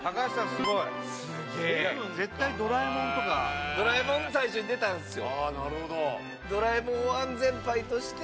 すごい絶対ドラえもんとかドラえもんが最初に出たんすよ